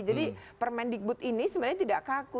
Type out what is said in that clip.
jadi permendikbud ini sebenarnya tidak kaku